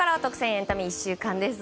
エンタメ１週間です。